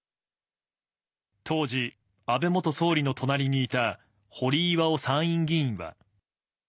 当時、安倍元総理の隣にいた堀井巌参議院議員は。